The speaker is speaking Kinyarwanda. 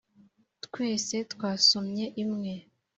twese twasomye imwe